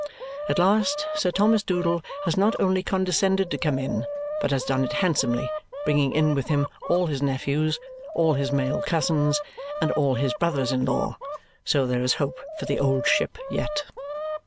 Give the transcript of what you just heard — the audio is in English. At last Sir Thomas Doodle has not only condescended to come in, but has done it handsomely, bringing in with him all his nephews, all his male cousins, and all his brothers in law. So there is hope for the old ship yet.